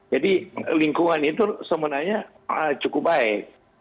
jadi lingkungan itu sebenarnya cukup baik